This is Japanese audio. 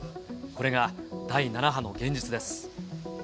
これが第７波の現実です。